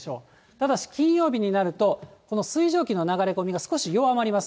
ただし金曜日になると、この水蒸気の流れ込みが少し弱まります。